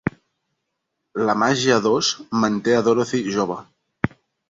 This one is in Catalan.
La màgia d'Oz manté a Dorothy jove.